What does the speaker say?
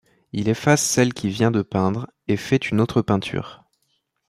Il efface celle qu'il vient de peindre et fait une autre peinture.